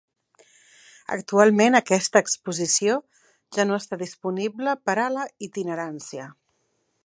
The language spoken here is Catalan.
Actualment aquesta exposició ja no està disponible per a la itinerància.